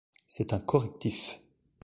C’est un correctif.